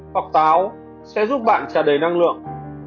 hoặc táo sẽ giúp bạn trả đầy năng lượng